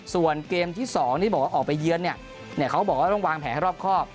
ส่วนเกมที่๒ที่บอกว่าออกไปเยือนเขาบอกว่าต้องวางแผนให้รอบครอบ